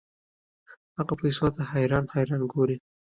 هغه پیسو ته حیران حیران ګوري.